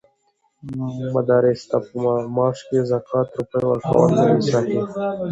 مدرس ته په معاش کې د زکات د روپيو ورکول ندی صحيح؛